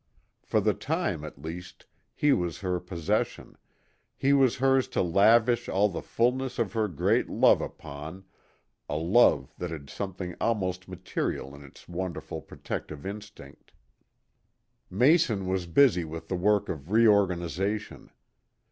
For the time, at least, he was her possession, he was hers to lavish all the fulness of her great love upon, a love that had something almost maternal in its wonderful protective instinct. Mason was busy with the work of reorganization.